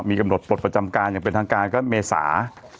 มีกำหนดปลดประจำการอย่างเป็นทางการก็เมษา